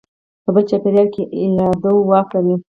په بل چاپېریال کې اردو واک لري.